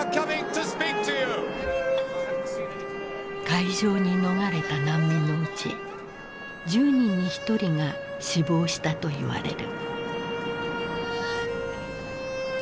海上に逃れた難民のうち１０人に１人が死亡したといわれる。